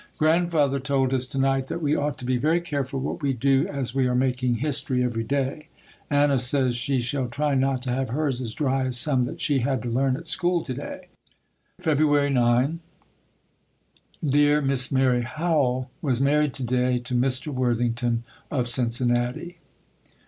Grandfather told us to night that we ought to be very careful what we do as we are making history every day. Anna says she shall try not to have hers as dry as some that she had to learn at school to day. February 9. Dear Miss Mary Howell was married to day to Mr. Worthington, of Cincinnati.